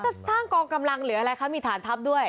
จะสร้างกองกำลังหรืออะไรคะมีฐานทัพด้วย